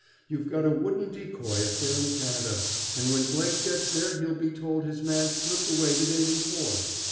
You've got a wooden decoy up there in Canada, and when Blake gets there he'll be told his man slipped away the day before.